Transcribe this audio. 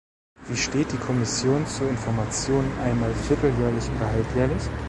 Wie steht die Kommission zu Informationen einmal vierteljährlich oder halbjährlich?